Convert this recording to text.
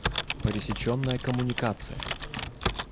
Пресеченная коммуникация…